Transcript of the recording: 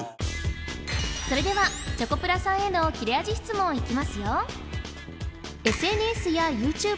それではチョコプラさんへの切れ味質問いきますよ